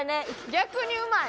逆にうまい。